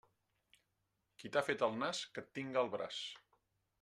Qui t'ha fet el nas, que et tinga al braç.